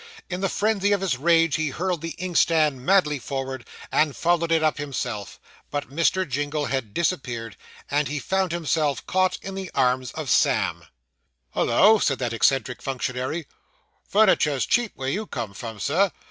In the frenzy of his rage, he hurled the inkstand madly forward, and followed it up himself. But Mr. Jingle had disappeared, and he found himself caught in the arms of Sam. 'Hollo,' said that eccentric functionary, 'furniter's cheap where you come from, Sir.